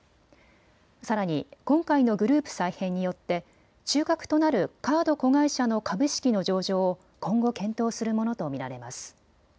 さらに今回のグループ再編によって中核となるカード子会社の株式の上場を今後、検討するものと見られます。